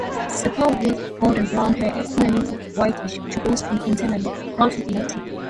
Sepals with golden-brown hairs externally; whitish to rose-pink internally; broadly elliptic.